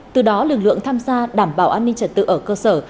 từ đó lực lượng tham gia đảm bảo an ninh trật tự ở cơ sở